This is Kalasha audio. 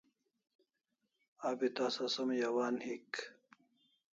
Abi tasa som yawan hik